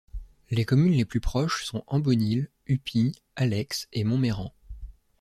Les communes les plus proches sont Ambonil, Upie, Allex et Montmeyran.